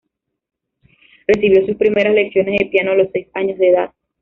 Recibió sus primeras lecciones de piano a los seis años de edad.